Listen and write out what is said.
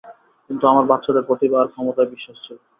কিন্তু আমার বাচ্চাদের প্রতিভা আর ক্ষমতায় বিশ্বাস ছিল।